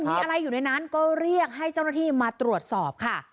มีอะไรอยู่ในนั้นก็เรียกให้เจ้าหน้าที่มาตรวจสอบค่ะ